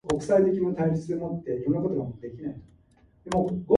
The ruins of Strata Florida Abbey are located on the road from Tregaron.